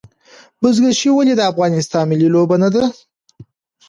بزکشي ولې د افغانستان ملي لوبه نه ده؟